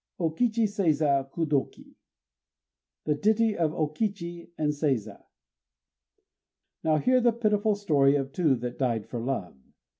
_ O KICHI SEIZA KUDOKI ("The Ditty of O Kichi and Seiza") Now hear the pitiful story of two that died for love.